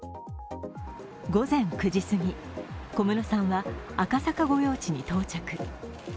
午前９時すぎ、小室さんは赤坂御用地に到着。